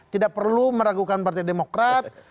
tidak perlu meragukan partai demokrat